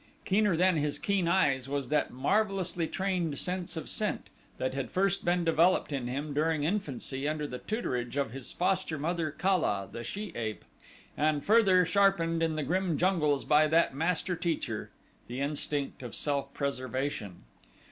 Keener than his keen eyes was that marvelously trained sense of scent that had first been developed in him during infancy under the tutorage of his foster mother, Kala, the she ape, and further sharpened in the grim jungles by that master teacher the instinct of self preservation.